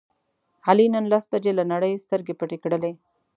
علي نن لس بجې له نړۍ سترګې پټې کړلې.